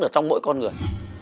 ở trong mỗi con người